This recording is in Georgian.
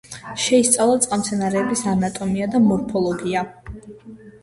შეისწავლა წყალმცენარეების ანატომია და მორფოლოგია.